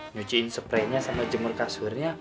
nyuciin spraynya sama jemur kasurnya